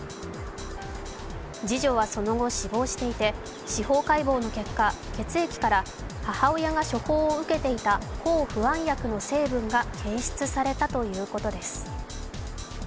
次女はその後、死亡していて司法解剖の結果、血液から母親が処方を受けていた抗不安薬の成分が検出されたということです。